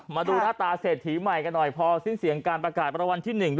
มาดูหน้าตาเศรษฐีใหม่กันหน่อยพอสิ้นเสียงการประกาศรางวัลที่หนึ่ง